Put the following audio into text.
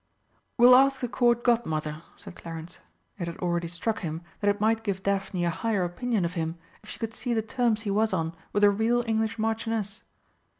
"We'll ask the Court Godmother," said Clarence (it had already struck him that it might give Daphne a higher opinion of him if she could see the terms he was on with a real English Marchioness).